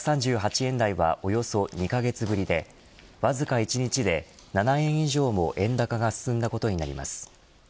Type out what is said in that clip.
１３８円台はおよそ２カ月ぶりでわずか１日で７円以上も円高が進んだことになります。